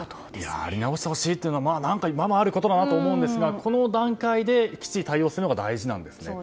やり直してほしいというのはまあ、ままあることかなと思いますが、この段階できっちり対応するのが大事なんですね。